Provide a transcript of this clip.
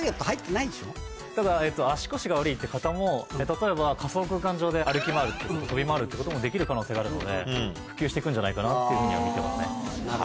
例えば仮想空間上で歩き回る飛び回るってこともできる可能性があるので普及してくんじゃないかなっていうふうには見てますね。